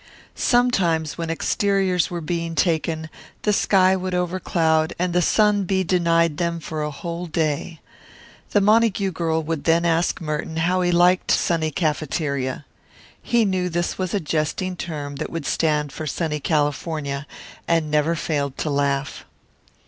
Sometimes when exteriors were being taken the sky would overcloud and the sun be denied them for a whole day. The Montague girl would then ask Merton how he liked Sunny Cafeteria. He knew this was a jesting term that would stand for sunny California, and never failed to laugh.